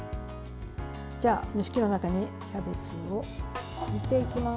じゃあ、蒸し器の中にキャベツを入れていきます。